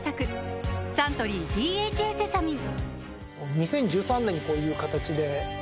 サントリー「ＤＨＡセサミン」